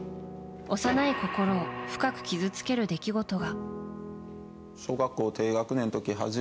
幼い心を深く傷つける出来事が。